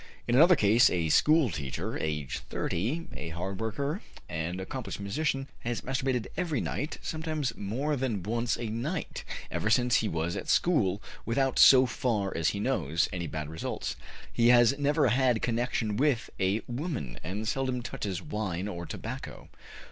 In another case, a schoolteacher, age 30, a hard worker and accomplished musician, has masturbated every night, sometimes more than once a night, ever since he was at school, without, so far as he knows, any bad results; he has never had connection with a woman, and seldom touches wine or tobacco.